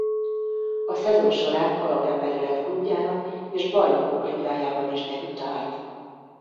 A szezon során alapembere lett klubjának és Bajnokok Ligájában is debütált.